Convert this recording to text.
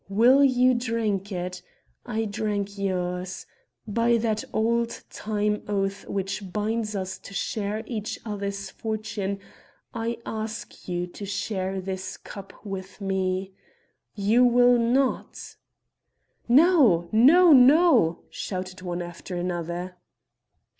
Will you drink it? I drank yours. By that old time oath which binds us to share each other's fortune, I ask you to share this cup with me. You will not?" "No, no, no!" shouted one after another.